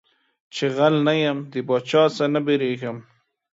چي غل نه يم د باچا څه نه بيرېږم.